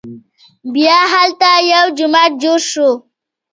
بیا هلته یو جومات جوړ شو.